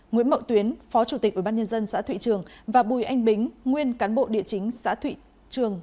nguyễn mậu tuyến phó chủ tịch ubnd xã thụy trường và bùi anh bính nguyên cán bộ địa chính xã thụy trường